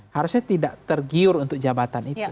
harusnya tidak tergiur untuk jabatan itu